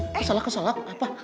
eh kesalak kesalak apa